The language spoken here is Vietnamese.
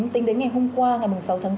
tính đến ngày hôm qua ngày sáu tháng bốn